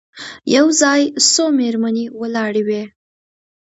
یو ځای څو مېرمنې ولاړې وې.